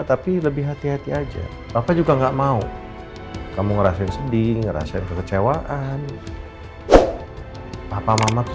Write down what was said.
tapi lebih hati hati aja papa juga enggak mau kamu ngerasain sedih ngerasain kekecewaan papa mamaku